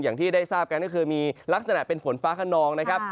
อย่างที่ได้ทราบกันก็คือมีลักษณะเป็นฝนฟ้าขนองนะครับ